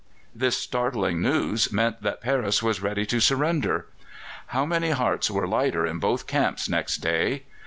This startling news meant that Paris was ready to surrender. How many hearts were lighter in both camps next day!